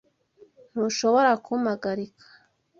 Ntushobora kumpagarika.